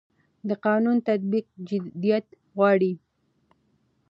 د قانون تطبیق جديت غواړي